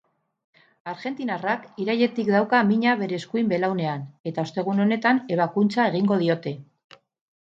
Argentinarrak irailetik dauka mina bere eskuin belaunean eta ostegun honetan ebakuntza egingo diote.